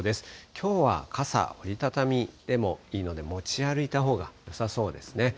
きょうは傘、折り畳みでもいいので持ち歩いたほうがよさそうですね。